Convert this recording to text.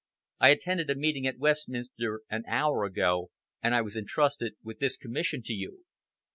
I attended a meeting at Westminster an hour ago, and I was entrusted with this commission to you."